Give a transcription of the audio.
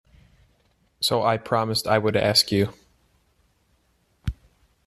So I promised I would ask you.